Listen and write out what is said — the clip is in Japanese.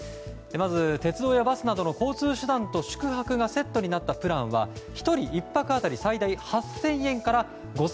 まず鉄道やバスなどの交通手段と宿泊がセットになったプランは１人１泊当たり最大８０００円から５０００円に。